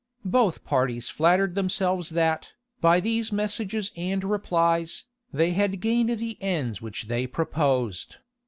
[] Both parties flattered themselves that, by these messages and replies, they had gained the ends which they proposed.